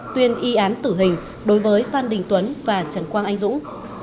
tuyên y án tử hình đối với phan đình tuấn và trần quang anh dũng